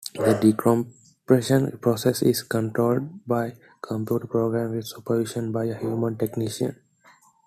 The decompression process is controlled by computer program with supervision by a human technician.